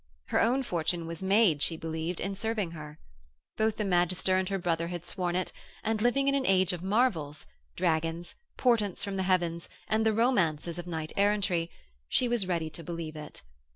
Her own fortune was made, she believed, in serving her. Both the magister and her brother had sworn it, and, living in an age of marvels dragons, portents from the heavens, and the romances of knight errantry she was ready to believe it.